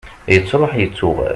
yettruḥ yettuɣal